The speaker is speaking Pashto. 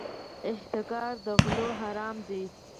احتکار د غلو حرام دی.